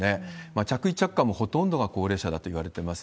着衣着火もほとんどが高齢者だといわれてます。